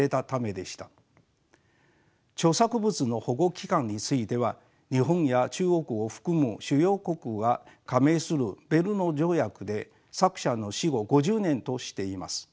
著作物の保護期間については日本や中国を含む主要国が加盟するベルヌ条約で作者の死後５０年としています。